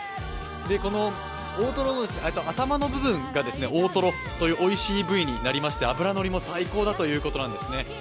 この頭の部分が大トロというおいしい部分になりまして脂乗りも最高だということなんですね。